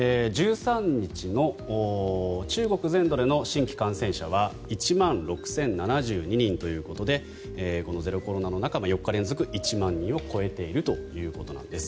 １３日の中国全土での新規感染者は１万６０７２人ということでこのゼロコロナ政策の中４日連続１万人を超えているということです。